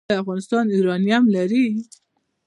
آیا افغانستان یورانیم لري؟